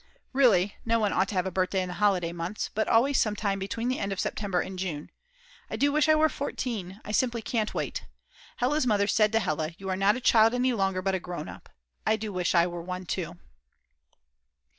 Really no one ought to have a birthday in the holiday months, but always sometime between the end of September and June. I do wish I were 14, I simply can't wait. Hella's mother said to Hella, You are not a child any longer, but a grown up; I do wish I were too!!!